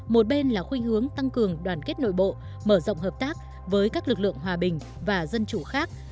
một bên là khuyên hướng tăng cường đoàn kết nội bộ mở rộng hợp tác với các lực lượng hòa bình và dân chủ khác